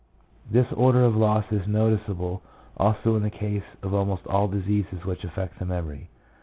This order of loss is noticeable also in the case of almost all diseases which affect the memory.